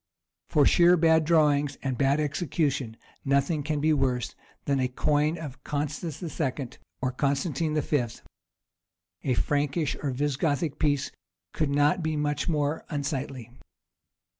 For sheer bad drawing and bad execution nothing can be worse than a coin of Constans II. or Constantine V.; a Frankish or Visigoth piece could not be much more unsightly.